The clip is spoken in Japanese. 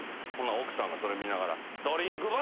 奥さんがそれ見ながら。